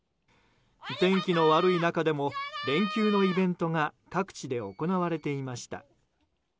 天気の悪い中でも連休のイベントが各地で行われていました。